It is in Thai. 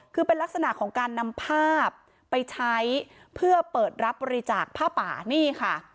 คือเป็นลักษณะของการนำภาพไปใช้เพื่อเปิดรับบริจาคผ้าป่านี่ค่ะ